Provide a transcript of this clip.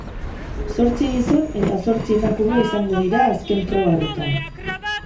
Zortzi gizon eta zortzi emakume izango dira azken proba horretan.